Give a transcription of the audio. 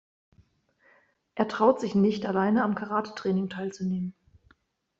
Er traut sich nicht alleine am Karatetraining teilzunehmen.